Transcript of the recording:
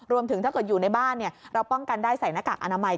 ถ้าเกิดอยู่ในบ้านเราป้องกันได้ใส่หน้ากากอนามัย